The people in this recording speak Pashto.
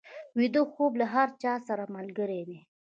ویده خوب له هر چا سره ملګری دی